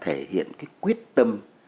thể hiện quyết tâm